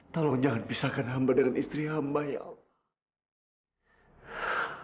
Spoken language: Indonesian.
tolong jangan pisahkan hamba dengan istri hamba ya allah